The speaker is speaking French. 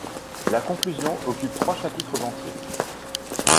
La conclusion occupe trois chapitres entiers.